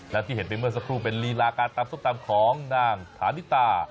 และที่เห็นไปเมื่อสักครู่เป็นลีลาการตำส้มตำของนางฐานิตา